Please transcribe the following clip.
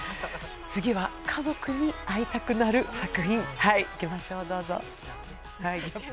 次は家族に会いたくなる作品いきましょう。